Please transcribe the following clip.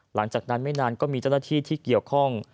หลังจากนั้นไม่นานก็มีเจ้าหน้าที่ที่เกี่ยวข้อง